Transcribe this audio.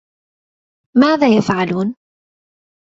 ماذا يفعلون؟